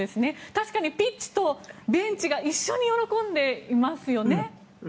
確かにピッチとベンチが一緒に喜んでいますよね。